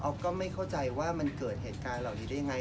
อ๊อฟก็ไม่เข้าใจว่ามันเกิดเหตุการณ์หรอกเลย